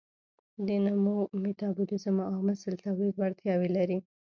د نمو، میتابولیزم او مثل تولید وړتیاوې لري.